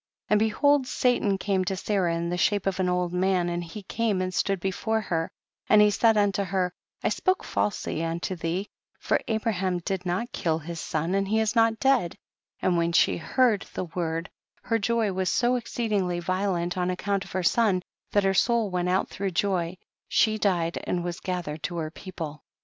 86. x\nd behold, Satan came to Sarah in the shape of an old man, and he came and stood before her, and he said unto her, I spoke falselv unto thee, for Abraham did not kill his son and he is not dead ; and when she heard the word her joy was so exceedingly violent on ac count of her son, that her soul went out through joy ; she died and was gathered to her people.